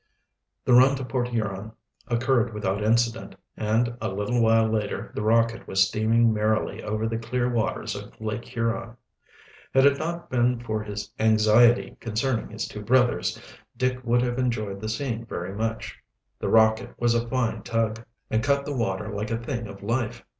The run to Port Huron occurred without incident, and a little while later the Rocket was steaming merrily over the clear waters of Lake Huron. Had it not been for his anxiety concerning his two brothers, Dick would have enjoyed the scene very much. The Rocket was a fine tug, and cut the water like a thing of life.